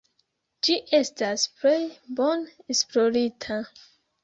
Ĝi estas plej bone esplorita.